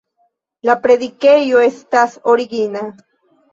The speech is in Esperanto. La predikejo estas origina.